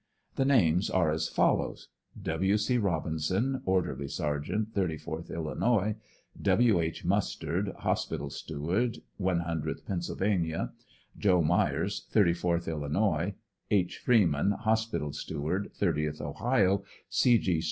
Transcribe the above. The names are as follows : W. C. Rob inson, orderly sergeant, 34th Illinois; W. H. Mustard, hospital steward 100th Pennsylvania; Joe Myers, 34th Illinois; H Freeman, hospital steward 30th Ohio; C G.